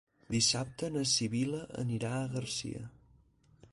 Dissabte na Sibil·la anirà a Garcia.